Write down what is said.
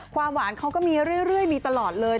ความหวานเขาก็มีเรื่อยมีตลอดเลย